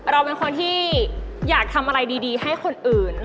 เราเป็นคนที่อยากทำอะไรดีให้คนอื่น